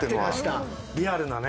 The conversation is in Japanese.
リアルなね。